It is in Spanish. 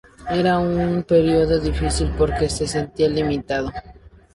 Era un período difícil porque se sentía limitado.